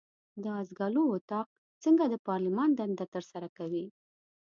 د آس ګلو اطاق څنګه د پارلمان دنده ترسره کوي؟